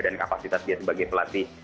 dan kapasitas dia sebagai pelatih